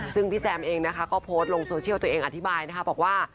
ซึ่งพี่แซมเองนะคะก็โพสต์ลงโซเชียลตัวเองอธิบายนะคะบอกว่า